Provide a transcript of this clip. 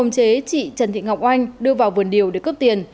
chế chị trần thị ngọc oanh đưa vào vườn điều để cướp tiền